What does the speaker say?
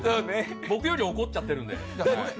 僕より怒っちゃってるんで。